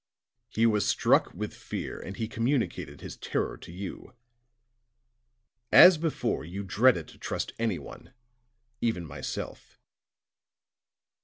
He was struck with fear, and he communicated his terror to you; as before you dreaded to trust anyone even myself."